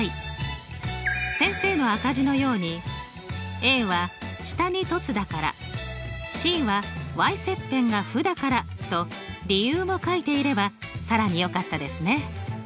先生の赤字のようには下に凸だからｃは切片が負だ理由も書いていれば更によかったですね。